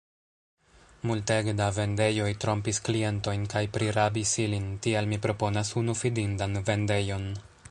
Multege da vendejoj trompis klientojn kaj prirabis ilin, tial mi proponas unu fidindan vendejon.